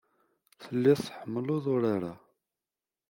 Telliḍ tḥemmleḍ urar-a.